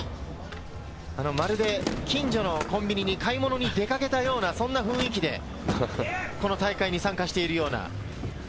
まるで近所のコンビニに買い物に出かけたような、そんな雰囲気でこの大会に参加しているような。